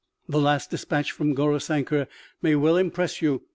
" The last despatch from Gaurisankar may well impress you.